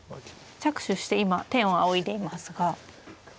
着手して今天を仰いでいますが。